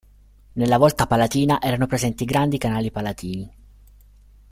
Nella volta palatina erano presenti grandi canali palatini.